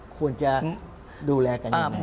ควรจะดูแลกันยังไง